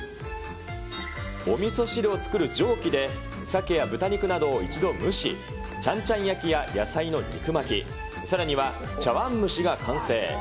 おみそ汁を作る蒸気で鮭や豚肉などを一度蒸し、ちゃんちゃん焼きや野菜の肉巻き、さらには茶わん蒸しが完成。